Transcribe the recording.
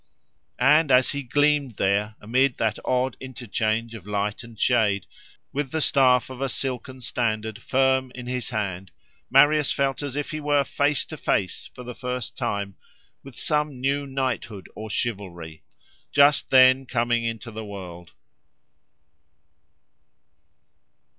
And as he gleamed there, amid that odd interchange of light and shade, with the staff of a silken standard firm in his hand, Marius felt as if he were face to face, for the first time, with some new knighthood or chivalry, just then coming into the world.